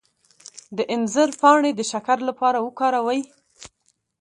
د انځر پاڼې د شکر لپاره وکاروئ